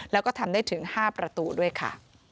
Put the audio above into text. แล้วก็ทำได้ถึง๕ประตูด้วยค่ะ